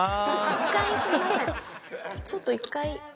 ちょっと一回。